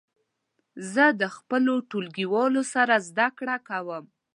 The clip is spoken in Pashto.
زه د خپلو ټولګیوالو سره زده کړه کوم.